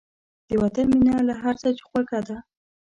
د وطن مینه له هر څه خوږه ده.